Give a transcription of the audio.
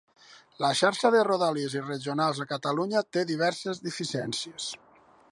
La xarxa de Rodalies i Regionals a Catalunya té diverses deficiències.